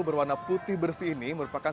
berwarna putih bersih ini merupakan